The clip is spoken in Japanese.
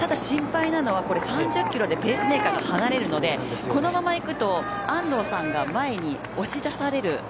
これ、３０キロでペースメーカーから離れるのでこのまま行くと安藤さんが前に押し出される。